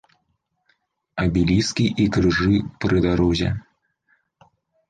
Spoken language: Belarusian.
Абеліскі і крыжы пры дарозе.